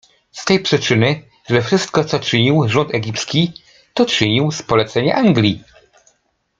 Z tej przyczyny, że wszystko, co czynił rząd egipski, to czynił z polecenia Anglii.